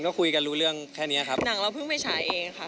ก็คุยกันรู้เรื่องแค่เนี้ยครับหนังเราเพิ่งไปฉายเองค่ะ